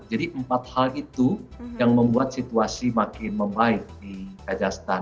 jadi empat hal itu yang membuat situasi makin membaik di kajastan